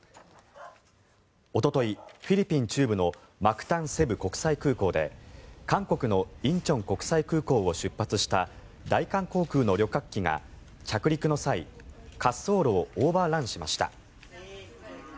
おととい、フィリピン中部のマクタン・セブ国際空港で韓国の仁川国際空港を出発した大韓航空の旅客機が着陸の際、滑走路をオーバーランしました。